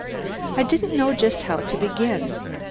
I didn't know just how to begin.